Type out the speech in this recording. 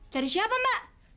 cari siapa mbak